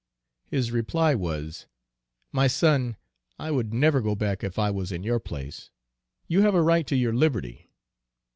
His reply was, "my son, I would never go back if I was in your place; you have a right to your liberty."